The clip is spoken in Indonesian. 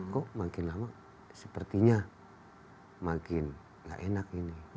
kok makin lama sepertinya makin nggak enak ini